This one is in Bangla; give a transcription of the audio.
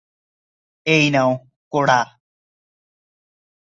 এই নাও, কোডা।